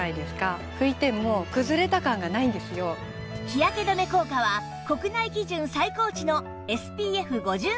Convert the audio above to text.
日焼け止め効果は国内基準最高値の ＳＰＦ５０＋ＰＡ＋＋＋＋